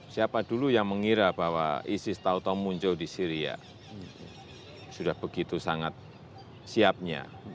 siapa dulu yang mengira bahwa isis tau tau muncul di syria sudah begitu sangat siapnya